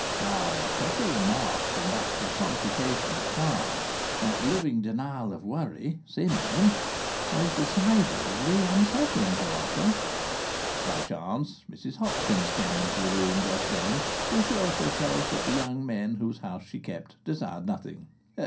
Now such a remark from that personification of calm, that living denial of worry, Simeon, was decidedly unsettling to Arthur. By chance, Mrs Hopkins came into the room just then to assure herself that the young men whose house she kept desired nothing.